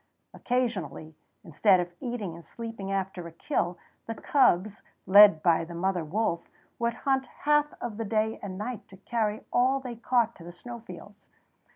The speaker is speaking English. Occasionally, instead of eating and sleeping after a kill, the cubs, led by the mother wolf, would hunt half of the day and night and carry all they caught to the snow fields.